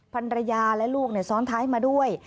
ภรรยาและลูกซ้อนท้ายมาด้วย